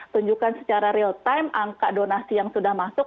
tunjukkan secara real time angka donasi yang sudah masuk